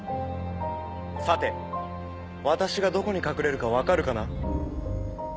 さて私がどこに隠れるか分かるかな？